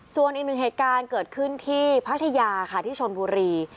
ส่วนอีกหนึ่งเหตุการณ์เกิดขึ้นที่พัทยาค่ะที่ชนบุรี